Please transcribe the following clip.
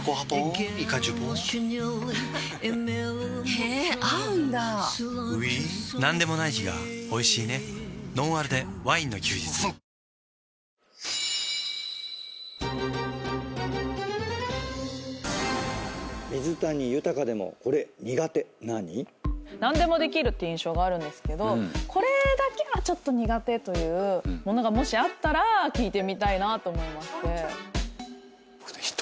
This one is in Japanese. へー合うんだウィ「ノンアルでワインの休日」あふっ何でもできるって印象があるんですけどこれだけはちょっと苦手というものがもしあったら聞いてみたいなと思いまして。